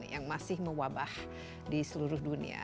yang masih mewabah di seluruh dunia